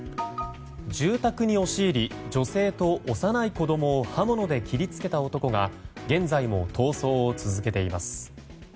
住宅に押し入り女性と幼い子供を刃物で切り付けた男が現在も逃走を続けています。